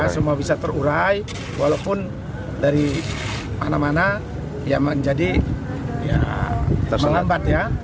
semua bisa terurai walaupun dari mana mana ya menjadi ya terlambat ya